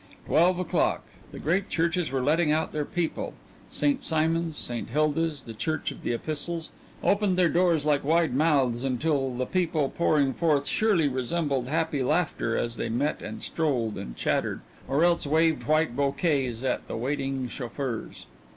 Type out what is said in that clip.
Twelve o'clock: the great churches were letting out their people St. Simon's, St. Hilda's, the Church of the Epistles, opened their doors like wide mouths until the people pouring forth surely resembled happy laughter as they met and strolled and chattered, or else waved white bouquets at waiting chauffeurs.